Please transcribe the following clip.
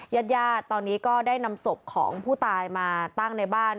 ยัดย่าตอนนี้ได้นำสมของผู้ตายมาตั้งในบ้าน